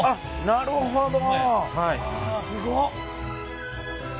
なるほど。